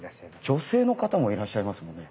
女性の方もいらっしゃいますよね。